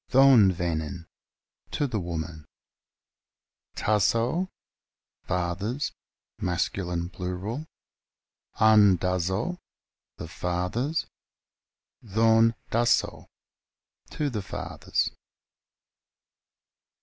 dho'n venen, to the woman. Tassow, fathers, masc. plur. ; an dassow, the fathers. dhd'n dassow, to the fathers.